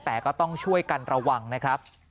แต่ก็ต้องช่วยกันระวังนะครับ